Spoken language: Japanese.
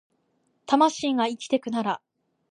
魂が生きてくなら